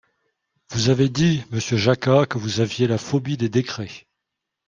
Vous avez dit, monsieur Jacquat, que vous aviez la phobie des décrets.